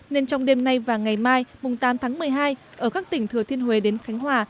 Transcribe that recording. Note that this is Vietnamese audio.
nên trong đêm nay và ngày mai tám tháng một mươi hai ở các tỉnh thừa thiên huế đến khánh hòa